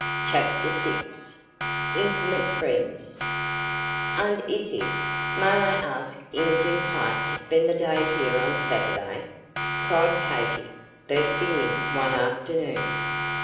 CHAPTER VI INTIMATE FRIENDS "Aunt Izzie, may I ask Imogen Clark to spend the day here on Saturday?" cried Katy, bursting in one afternoon.